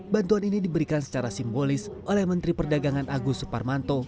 bantuan ini diberikan secara simbolis oleh menteri perdagangan agus suparmanto